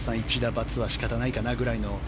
罰は仕方ないかなくらいの。